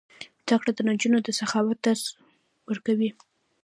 زده کړه نجونو ته د سخاوت درس ورکوي.